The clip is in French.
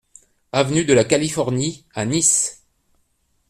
Avenue de la Californie à Nice